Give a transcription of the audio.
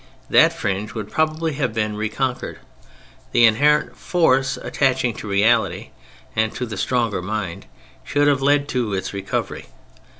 That fringe would probably have been reconquered. The inherent force attaching to reality and to the stronger mind should have led to its recovery.